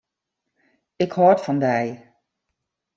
Ik hâld fan dy.